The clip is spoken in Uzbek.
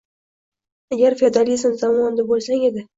«Agar feodalizm zamonida bo‘lsa edi